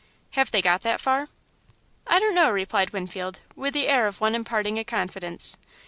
"Have they got that far?" "I don't know," replied Winfield, with the air of one imparting a confidence.